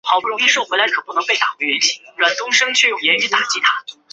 和平街道是中国黑龙江省齐齐哈尔市富拉尔基区下辖的一个街道。